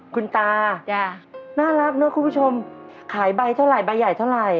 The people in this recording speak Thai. คุณตาน่ารับเนอะคุณผู้ชมขายใบใหญ่เท่าไหร่